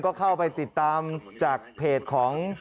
ก็เข้าไปติดตามจากเพจของ